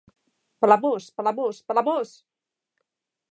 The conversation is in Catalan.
Palamós!, Palamós!, Palamós!!